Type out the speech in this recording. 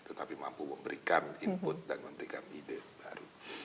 tetapi mampu memberikan input dan memberikan ide baru